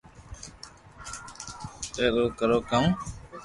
ئر ڪرو ڪا و